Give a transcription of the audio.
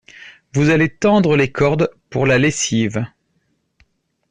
Vous allez tendre les cordes pour la lessive.